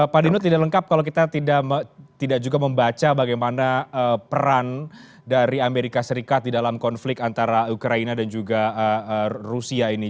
pak dino tidak lengkap kalau kita tidak juga membaca bagaimana peran dari amerika serikat di dalam konflik antara ukraina dan juga rusia ini